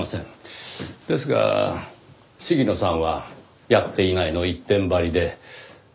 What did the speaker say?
ですが鴫野さんは「やっていない」の一点張りで。